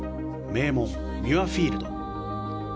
名門、ミュアフィールド。